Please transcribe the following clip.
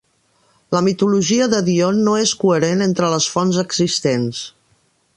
La mitologia de Dione no és coherent entre les fonts existents.